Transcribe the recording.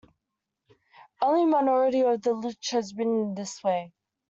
Only a minority of literature is written this way.